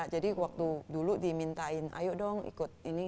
jadi waktu dulu dimintain ayo dong ikut ini